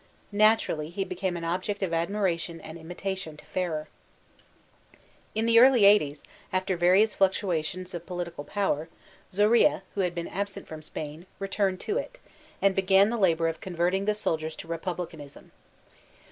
Naturally he became an object of admiration and imita tion to Ferrer. In the early eighties, after various fluctuations of po litical power, Zorilla, who had been absent from Spain, returned to it, and began the labor of converting the soldiers to republicanbm.